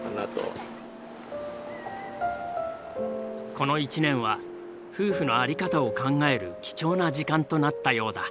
この一年は夫婦の在り方を考える貴重な時間となったようだ。